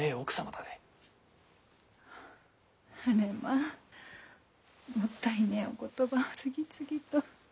あれまぁもったいねぇお言葉を次々と。